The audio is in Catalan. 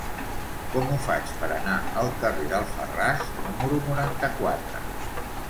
Com ho faig per anar al carrer d'Alfarràs número noranta-quatre?